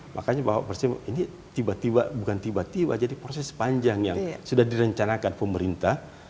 makanya bapak presiden ini tiba tiba bukan tiba tiba jadi proses panjang yang sudah direncanakan pemerintah